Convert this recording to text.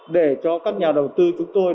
để cho các nhà đầu tư chúng tôi